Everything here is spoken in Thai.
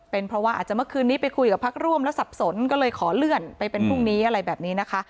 เป็นเพราะว่าอาจจะเมื่อคืนนี้ไปคุยกับพักร่วมแล้วสับสนก็เลยขอเลื่อนไปเป็นพรุ่งนี้อะไรแบบนี้นะคะ